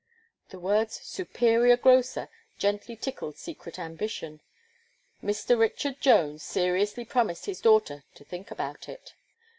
The words "superior grocer," gently tickled secret ambition. Mr. Richard Jones seriously promised his daughter to think about it.